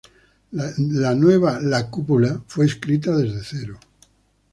La nueva "La cúpula" fue escrita desde cero.